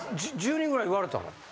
１０人ぐらいに言われたの？